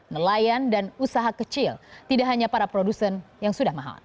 nelayan dan usaha kecil tidak hanya para produsen yang sudah mahal